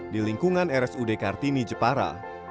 di lingkungan rsud kartini jepara